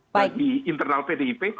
bagi internal pdip